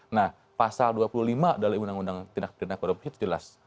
nah pasal dua puluh lima dari undang undang tindak pidana korupsi itu jelas